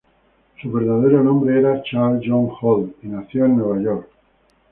Su verdadero nombre era Charles John Holt, y nació en Nueva York.